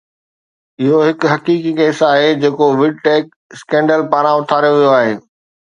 اهو هڪ حقيقي ڪيس آهي جيڪو Vidtech اسڪينڊل پاران اٿاريو ويو آهي